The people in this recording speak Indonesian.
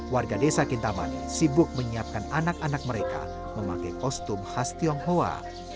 warga desa kintamani sibuk menyiapkan anak anak mereka memakai kostum khas tionghoa